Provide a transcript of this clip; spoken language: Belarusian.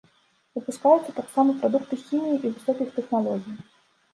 Выпускаюцца таксама прадукты хіміі і высокіх тэхналогій.